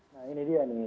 nah ini dia nih